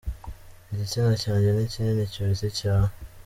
Igitsina cyanjye ni kinini kuruta icyawe.